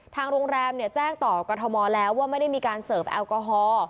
ทางโรงแรมแจ้งต่อกรทมแล้วว่าไม่ได้มีการเสิร์ฟแอลกอฮอล์